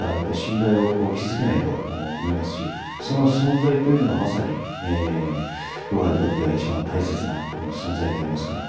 それを続けていくことしか信頼を築けないと思いますしその存在というのがまさに、僕らにとっては一番大切な存在でありますから。